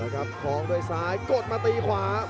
คล้องด้วยซ้ายกดมาตีขวา